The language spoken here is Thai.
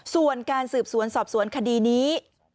ส่วนการสืบสวนสอบสวนคดีนี้